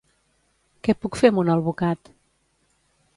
Què puc fer amb un alvocat?